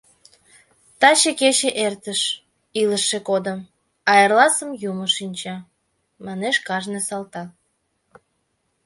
«Таче кече эртыш, илыше кодым, а эрласым юмо шинча», — манеш кажне салтак.